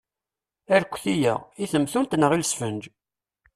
Arekti-a, i temtunt neɣ i lesfenǧ?